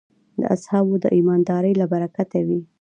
د اصحابو د ایماندارۍ له برکته وې.